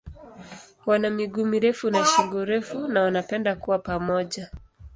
Wana miguu mirefu na shingo refu na wanapenda kuwa pamoja.